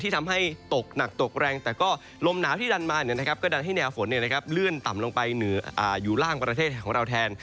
ทำให้ตกหนักตกแรงแต่ก็ลมหนาวที่ดันมาก็ดันให้แนวฝนเลื่อนต่ำลงไปอยู่ล่างประเทศของเราแทน